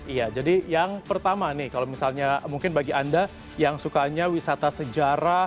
iya jadi yang pertama nih kalau misalnya mungkin bagi anda yang sukanya wisata sejarah